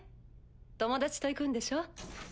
友達と行くんでしょ？